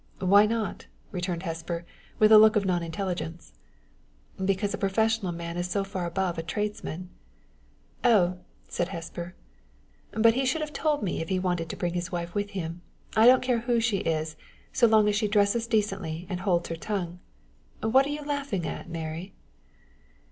"Why not?" returned Hesper, with a look of non intelligence. "Because a professional man is so far above a tradesman." "Oh!" said Hesper. " But he should have told me if he wanted to bring his wife with him. I don't care who she is, so long as she dresses decently and holds her tongue. What are you laughing at, Mary?"